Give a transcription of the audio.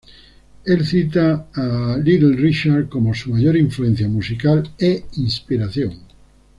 Él cita a Little Richard como su mayor influencia musical e inspiración.